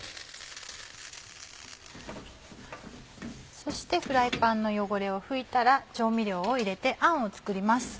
そしてフライパンの汚れを拭いたら調味料を入れてあんを作ります。